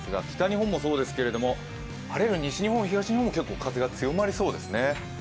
北日本もそうですけれども、晴れる西日本、東日本も結構風が強まりそうですね。